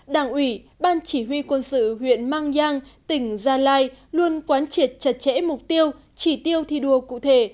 đảng ủy ban chỉ huy quân sự huyện mang giang tỉnh gia lai luôn quán triệt chặt chẽ mục tiêu chỉ tiêu thi đua cụ thể